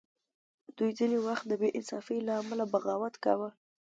دوی ځینې وخت د بې انصافۍ له امله بغاوت کاوه.